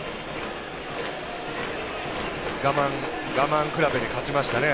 我慢比べに勝ちましたね